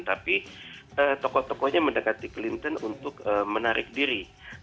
tapi tokoh tokohnya mendekati clinton untuk menarik diri